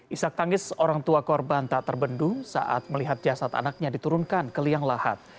isak tangis orang tua korban tak terbendung saat melihat jasad anaknya diturunkan ke liang lahat